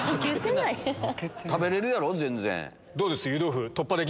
食べれるやろ全然。